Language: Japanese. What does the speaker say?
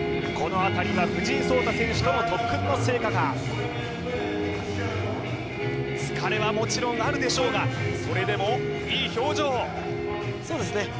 このあたりは藤井創太選手との特訓の成果か疲れはもちろんあるでしょうがそれでもいい表情そうですね